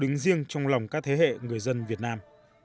đó là một lần riêng trong lòng các thế hệ người dân việt nam